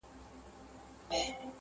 څلورمه هغه آش هغه کاسه وه!.